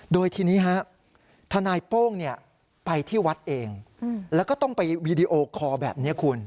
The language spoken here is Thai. โดยทีนี้ฮะทนายโป้งไปที่วัดเองแล้วก็ต้องไปวีดีโอคอร์แบบนี้คุณ